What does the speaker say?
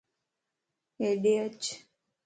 ھيڏي اچ